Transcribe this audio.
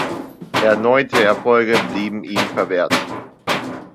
Erneute Erfolge blieben ihm verwehrt.